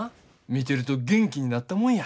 見てると元気になったもんや。